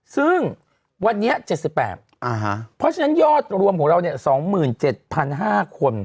ซึ่งวันนี้๗๘เพราะฉะนั้นยอดรวมของเรา๒๗๕คน